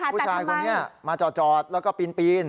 ผู้ชายคนนี้มาจอดแล้วก็ปีน